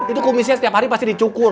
itu komisinya setiap hari pasti dicukur